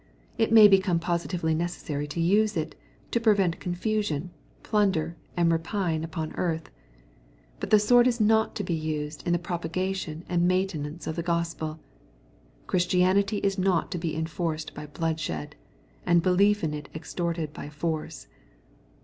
It may become positively necessary to use it, to prevent confusion, plunder, and rapine upon earth. (^But the sword is not to be used in the propagation and main tenance of the GospelJ Christianity is not to be enforced by bloodshed, and belief in it extorted by force.